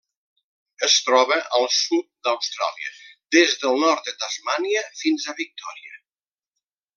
Es troba al sud d'Austràlia: des del nord de Tasmània fins a Victòria.